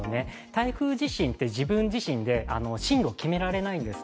台風自身って、自分自身で進路を決められないです。